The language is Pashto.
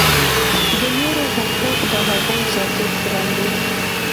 د نورو حقوق د هغوی ذاتي احترام دی.